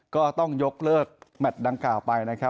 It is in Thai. ก็ต้องยกเลิกแมทดังกล่าวไปนะครับ